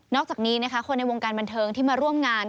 อกจากนี้นะคะคนในวงการบันเทิงที่มาร่วมงาน